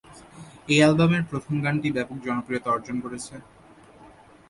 এই অ্যালবামের প্রথম গানটি ব্যপক জনপ্রিয়তা অর্জন করে।